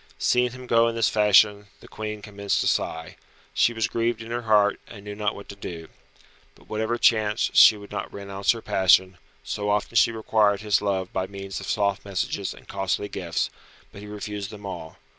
Seeing him go in this fashion the Queen commenced to sigh. She was grieved in her heart, and knew not what to do. But whatever chanced she would not renounce her passion, so often she required his love by means of soft messages and costly gifts, but he refused them all.